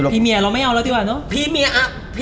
พี่เมียเราไม่เอาล่ะดีกว่าเนาะ